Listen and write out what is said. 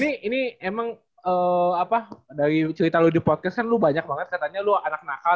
ini emang apa dari cerita lo di podcast kan lo banyak banget katanya lu anak nakal